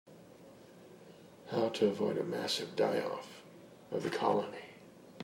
How to avoid a massive die-off of the colony.